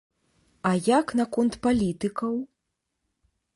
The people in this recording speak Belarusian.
А як наконт палітыкаў?